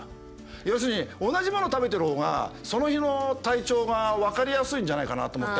要するに同じものを食べてる方がその日の体調が分かりやすいんじゃないかなと思って。